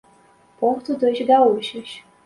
Porto dos Gaúchos